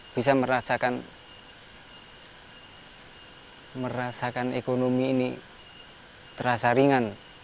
bisa merasakan ekonomi ini terasa ringan